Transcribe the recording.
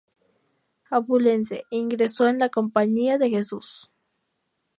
Abulense, ingresó en la Compañía de Jesús.